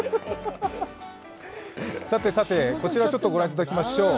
さてさて、こちらを御覧いただきましょう。